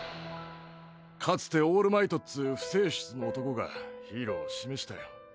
かつてオールマイトっつう不世出の男がヒーローを示したよ。